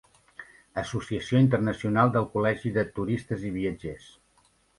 Associació Internacional del Col·legi de "Turistes i viatgers".